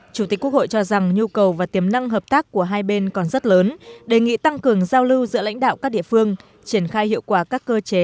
chủ tịch quốc hội cho rằng nhu cầu và tiềm năng hợp tác của hai bên còn rất lớn đề nghị tăng cường giao lưu giữa lãnh đạo các địa phương triển khai hiệu quả các cơ chế